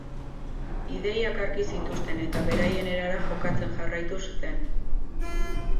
Ideak argi zituzten eta beraien erara jokatzen jarraitu zuten.